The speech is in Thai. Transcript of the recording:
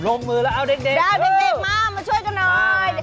ลงมือแล้วเอาเด็กมามาช่วยกันหน่อย